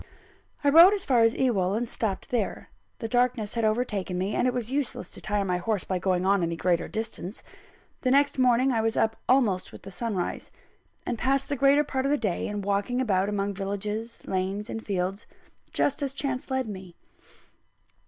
I rode as far as Ewell, and stopped there: the darkness had overtaken me, and it was useless to tire my horse by going on any greater distance. The next morning, I was up almost with sunrise; and passed the greater part of the day in walking about among villages, lanes, and fields, just as chance led me.